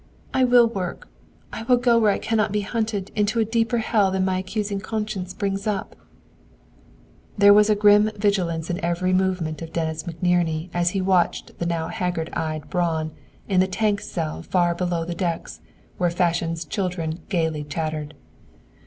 "I will work; I will go where I cannot be hunted into a deeper hell than my accusing conscience brings up!" There was a grim vigilance in every movement of Dennis McNerney as he watched the now haggard eyed Braun in the tank cell far below the decks, where Fashion's children gaily chattered.